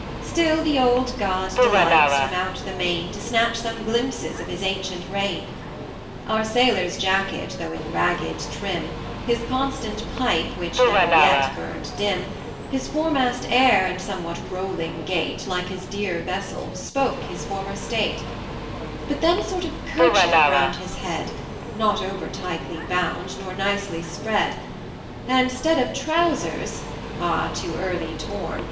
Still the old God delights, from out the main, To snatch some glimpses of his ancient reign. Our sailor's jacket, though in ragged trim, His constant pipe, which never yet burned dim, His foremast air, and somewhat rolling gait, Like his dear vessel, spoke his former state; But then a sort of kerchief round his head, Not over tightly bound, nor nicely spread; And, 'stead of trowsers (ah! too early torn!